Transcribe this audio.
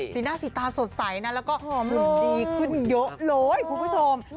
สีหน้าสีตาสดใสนะแล้วก็หอมหลุมดีขึ้นเยอะเลยคุณผู้ชม